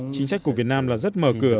chính sách của việt nam là rất mở cửa